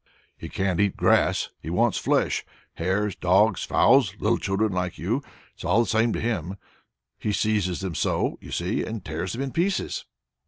"He can't eat grass. He wants flesh hares, dogs, fowls, little children like you it is all the same to him. He seizes them so, you see, and tears them in pieces."